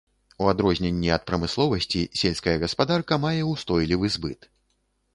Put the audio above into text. У адрозненні ад прамысловасці, сельская гаспадарка мае ўстойлівы збыт.